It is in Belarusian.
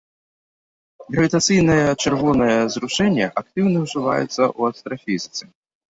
Гравітацыйнае чырвонае зрушэнне актыўна ўжываецца ў астрафізіцы.